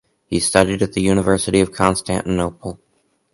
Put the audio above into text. He studied at the University of Constantinople.